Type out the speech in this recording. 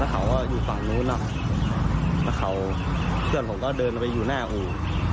เขาก็อยู่ฝั่งนู้นนะครับแล้วเขาเพื่อนผมก็เดินไปอยู่หน้าอู่